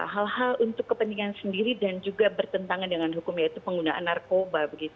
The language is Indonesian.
hal hal untuk kepentingan sendiri dan juga bertentangan dengan hukum yaitu penggunaan narkoba